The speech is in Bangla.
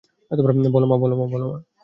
বল, মা।